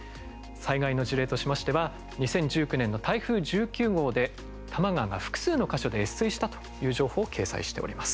災害の事例としましては２０１９年の台風１９号で多摩川が複数の箇所で越水したという情報を掲載しております。